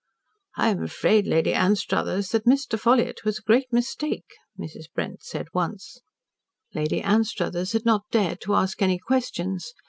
"I am afraid, Lady Anstruthers, that Mr. Ffolliott was a great mistake," Mrs. Brent said once. Lady Anstruthers had not dared to ask any questions.